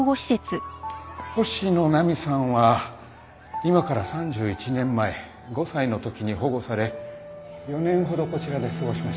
星野菜美さんは今から３１年前５歳の時に保護され４年ほどこちらで過ごしました。